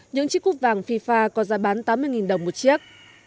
những chiếc cúp vàng fifa có giá bán tám mươi đồng một chiếc